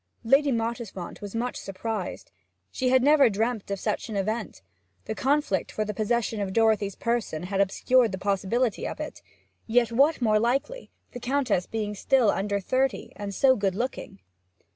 Lady Mottisfont was much surprised; she had never dreamt of such an event. The conflict for the possession of Dorothy's person had obscured the possibility of it; yet what more likely, the Countess being still under thirty, and so good looking?